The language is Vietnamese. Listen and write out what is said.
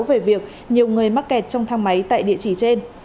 về việc nhiều người mắc kẹt trong thang máy tại địa chỉ trên